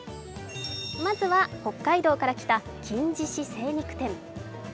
まずは北海道から来た金獅子精肉店。